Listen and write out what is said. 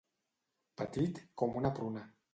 Petit com una pruna.